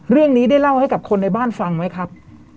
เรื่องนี้ได้เล่าให้กับคนในบ้านฟังไหมครับ